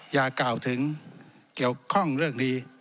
อย่ากล่าวถึงเกี่ยวข้องเรื่องนี้